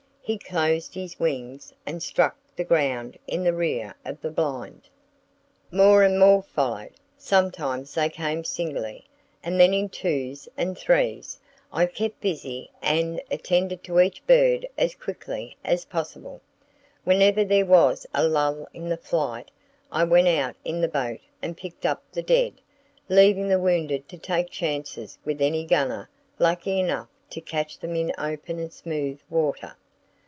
He closed his wings and struck the ground in the rear of the blind. "More and more followed. Sometimes they came singly, and then in twos [Page 150] and threes. I kept busy and attended to each bird as quickly as possible. Whenever there was a lull in the flight I went out in the boat and picked up the dead, leaving the wounded to take chances with any gunner lucky enough to catch them in open and smooth water.